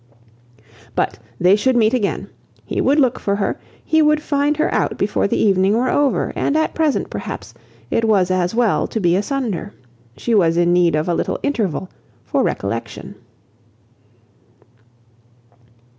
But "they should meet again. He would look for her, he would find her out before the evening were over, and at present, perhaps, it was as well to be asunder. She was in need of a little interval for recollection."